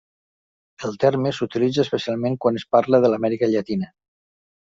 El terme s'utilitza especialment quan es parla de l'Amèrica Llatina.